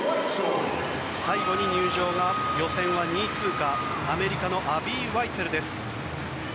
最後に入場が予選は２位通過アメリカのアビー・ワイツェルです。